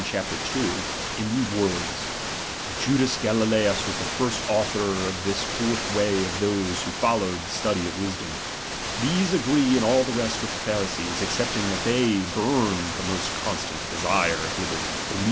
chap. 2), in these words : Bat Judas Galilceus was the first author of this fourth way of those who followed tlie study of wisdom. These agree in all the rest with tlte Pharisees, excepting that they fiiWB with a most constant desire of liberty ; he 234 RELIGION.